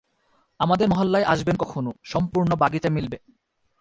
আমাদের মহল্লায় আসবেন কখনো, সম্পূর্ণ বাগিচা মিলবে।